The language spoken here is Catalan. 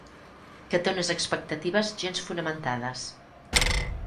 Que té unes expectatives gens fonamentades.